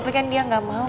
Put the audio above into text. tapi kan dia gak mau